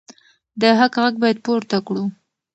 د حق غږ باید پورته کړو.